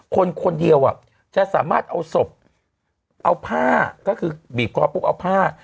คนคนเดียวอ่ะจะสามารถเอาศพเอาผ้าก็คือบีบคอปุ๊บเอาผ้า